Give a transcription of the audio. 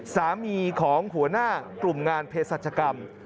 สามีของหัวหน้ากลุ่มงานเพศรัชกรรม